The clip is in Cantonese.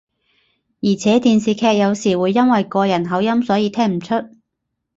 而且電視劇有時會因為個人口音所以聽唔出